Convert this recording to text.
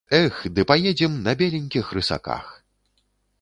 Эх, ды паедзем на беленькіх рысаках.